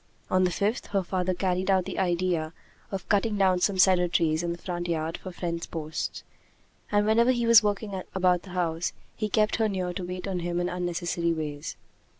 On the fifth, her father carried out the idea of cutting down some cedar trees in the front yard for fence posts; and whenever he was working about the house, he kept her near to wait on him in unnecessary ways.